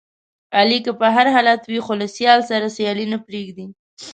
علي که په هر حالت وي، خو له سیال سره سیالي نه پرېږدي.